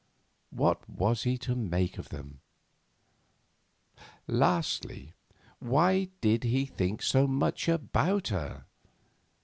What was he to make of them? Lastly, why did he think so much about her?